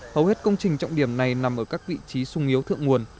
hầu hết công trình trọng điểm này nằm ở các vị trí sung yếu thượng nguồn